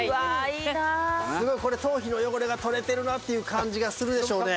すごいこれ頭皮の汚れが取れてるなっていう感じがするでしょうね。